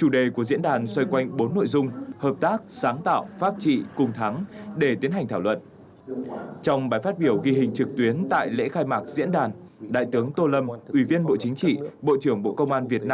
theo đề án sáu bốn năm do tỉnh lai châu phối hợp với bộ công an